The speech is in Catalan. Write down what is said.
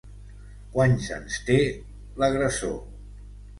Quants anys té l'agressor?